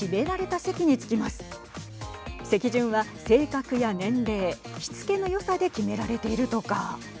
席順は性格や年齢しつけのよさで決められているとか。